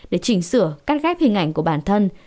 để chỉnh sửa cắt ghép hình ảnh của bản thân